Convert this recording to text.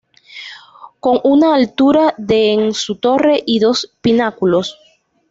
Con una altura de en su torre y dos pináculos.